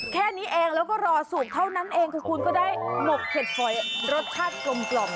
แค่นี้เองแล้วก็รอสูตรเท่านั้นเองคือคุณก็ได้หมกเผ็ดฝอยรสชาติกลม